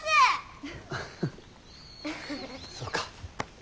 そうか。